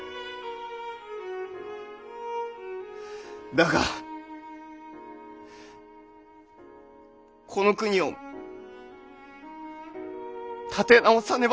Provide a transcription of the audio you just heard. だがこの国を立て直さねばならぬ。